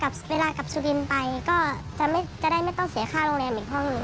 ก็ถ้าเกิดพอเวลากลับชุดินไปก็จะได้ไม่ต้องเสียค่าโรงแรมอีกห้องหนู